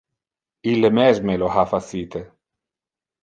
Ille mesme lo ha facite.